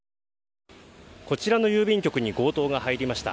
こちらの郵便局に強盗が入りました。